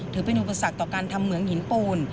ถือเป็นอุปสรรคต่อการทำเหมืองหินปูน